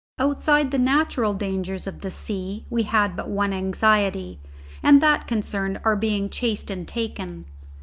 Outside the natural dangers of the sea we had but one anxiety, and that concerned our being chased and taken.